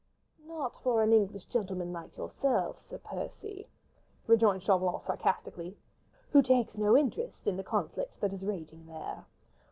"Not for an English gentleman like yourself, Sir Percy," rejoined Chauvelin, sarcastically, "who takes no interest in the conflict that is raging there."